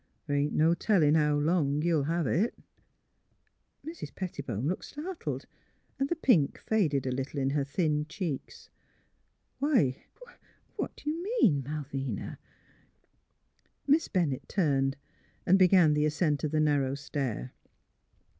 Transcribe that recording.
The ' ain 't no tellin ' how long you '11 hev it. '' Mrs. Pettibone looked startled, and the pink faded a little in her thin cheeks. *' Why what — what do you mean, Malvina ?'' Miss Bennett turned and began the ascent of the narrow stair.